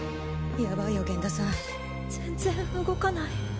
やばいよ源田さん。全然動かない。